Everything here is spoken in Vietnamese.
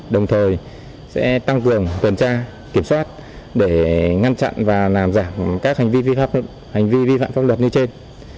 đồng thời sẽ tăng cường tuần tra kiểm soát để ngăn chặn và làm giảm các hành vi vi phạm pháp luật như trên